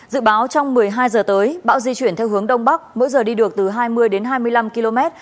dự báo trong một mươi hai h tới bão di chuyển theo hướng đông bắc mỗi giờ đi được từ hai mươi đến hai mươi năm km